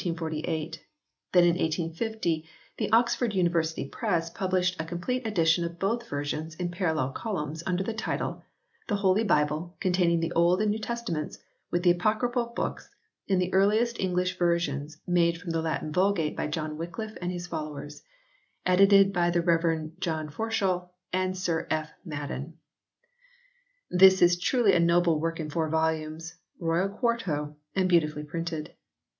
Then in 1850 the Oxford University Press published a complete edition of both versions in parallel columns under the title : "The Holy Bible, containing the Old and New Testaments with the Apocryphal Books in the earliest English versions made from the Latin Vulgate by John Wycliffe and his followers ; Edited by the Rev. J. Forshall and Sir F. Madden." This is truly a noble work in four volumes, royal quarto, and beautifully printed.